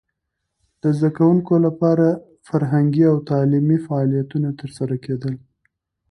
د زده کوونکو لپاره فرهنګي او تعلیمي فعالیتونه ترسره کېدل.